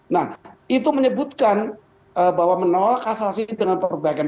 nah itu menyebutkan bahwa menolak kasasi dengan perbaikan